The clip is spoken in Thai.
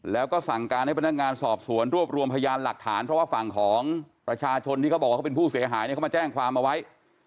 แล้วก็สั่งการให้พนักงานสอบสวนรวบรวมพยานหลักฐานเพราะว่าฝั่งของประชาชนที่เขาบอกว่าเขาเป็นผู้เสียหายเนี่ยเขามาแจ้งความเอาไว้